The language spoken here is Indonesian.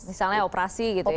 misalnya operasi gitu ya